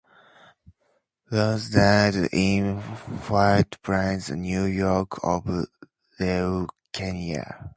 Rose died in White Plains, New York, of leukemia.